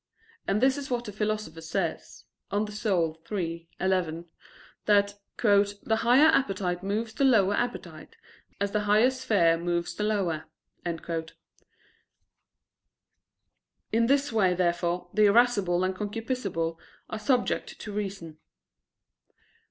And this is what the Philosopher says (De Anima iii, 11), that "the higher appetite moves the lower appetite, as the higher sphere moves the lower." In this way, therefore, the irascible and concupiscible are subject to reason.